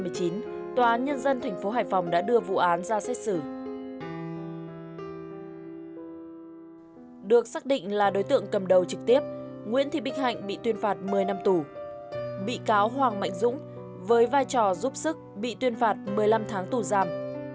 bị cáo hoàng mạnh dũng với vai trò giúp sức bị tuyên phạt một mươi năm tháng tù giam